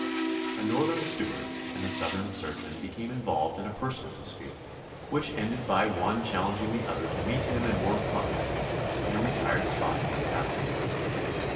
A Northern steward and a Southern surgeon became involved in a personal dispute, which ended by one challenging the other to meet him in mortal combat in a retired spot near the battlefield.